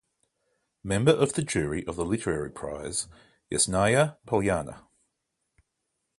Member of the jury of the literary prize "Yasnaya Polyana".